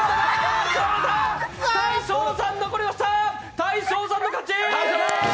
大昇さんの勝ち。